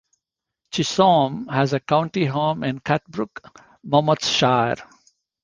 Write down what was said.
Chisholm has a country home in Catbrook, Monmouthshire.